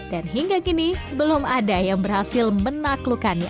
dan hingga kini belum ada yang berhasil menaklukannya